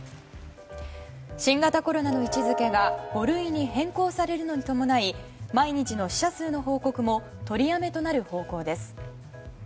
新型コロナの位置づけが５類に変更されるのに伴い毎日の死者数の報告も取りやめとなる方向です。